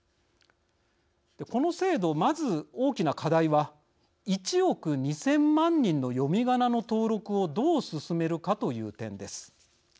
この制度まず大きな課題は１億２，０００万人の読みがなの登録をどう進めるかという点です。